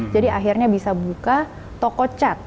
jadi akhirnya bisa buka toko cat